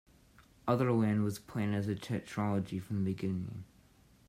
"Otherland" was planned as a tetralogy from the beginning.